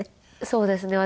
そうですね。